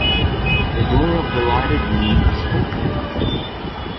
The door of the lighted room was open.